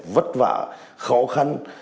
vất vả khó khăn